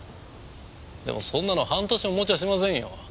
でもそんなの半年も持ちやしませんよ。